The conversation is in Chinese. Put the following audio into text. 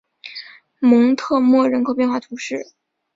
蒙特莫人口变化图示